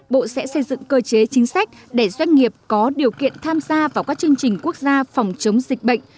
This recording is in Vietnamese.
bộ sẽ xây dựng cơ chế chính sách để doanh nghiệp có điều kiện tham gia vào các chương trình quốc gia phòng chống dịch bệnh